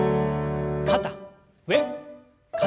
肩上肩下。